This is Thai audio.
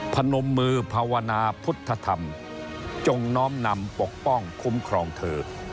พนมมือภาวนาพุทธธรรมจงน้อมนำปกป้องคุ้มครองเธอ